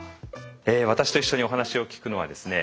私と一緒にお話を聞くのはですね